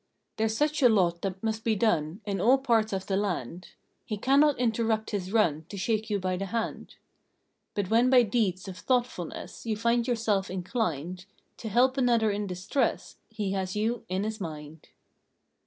There s such a lot that must be done in all parts of the land, He cannot interrupt his run to shake you by the hand; But when by deeds of thoughtfulness you find yourself inclined To help another in distress he has you in his mind.